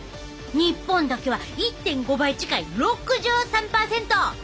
日本だけは１．５倍近い６３％！